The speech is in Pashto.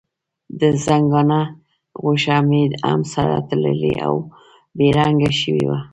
د ځنګانه غوښه مې هم سره تللې او بې رنګه شوې وه.